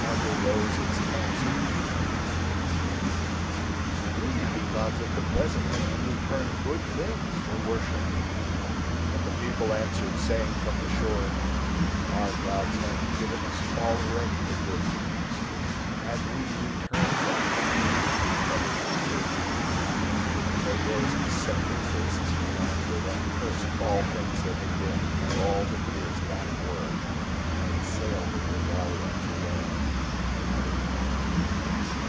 And the Yozis answered the people: "We be gods of the present and return good things for worship." But the people answered, saying from the shore: "Our gods have given us already the good things, and we return Them the worship that is Their due." And the Yozis set their faces to landward, and cursed all things that had been and all the years that were, and sailed in their galleons away.